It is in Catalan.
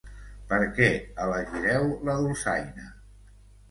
Per què elegíreu la dolçaina?